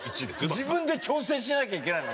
自分で調整しなきゃいけないの？